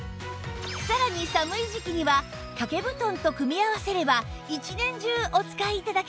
さらに寒い時季には掛け布団と組み合わせれば１年中お使い頂けます